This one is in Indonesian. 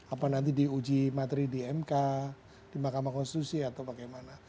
apa nanti diuji materi di mk di mahkamah konstitusi atau bagaimana